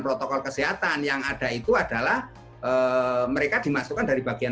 protokol kesehatan yang ada itu adalah mereka dimasukkan dari bagian